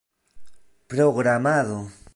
programado